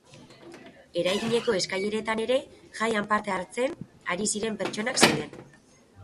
Eraikineko eskaileretan ere jaian parte hartzen ari ziren pertsonak zeuden.